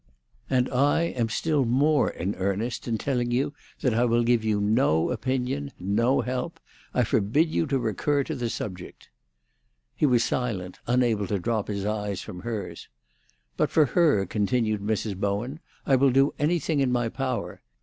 "And I am still more in earnest in telling you that I will give you no opinion, no help. I forbid you to recur to the subject." He was silent, unable to drop his eyes from hers. "But for her," continued Mrs. Bowen, "I will do anything in my power.